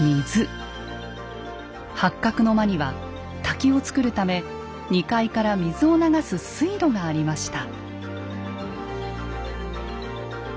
八角の間には滝をつくるため２階から水を流す水路がありました。